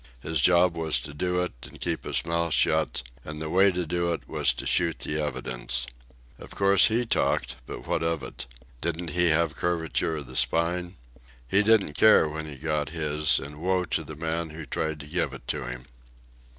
His job was to do it and keep his mouth shut, and the way to do it was to shoot the evidence. Of course, he talked; but what of it? Didn't he have curvature of the spine? He didn't care when he got his, and woe to the man who tried to give it to him.